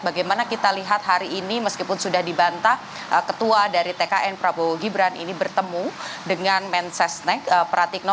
bagaimana kita lihat hari ini meskipun sudah dibantah ketua dari tkn prabowo gibran ini bertemu dengan mensesnek pratikno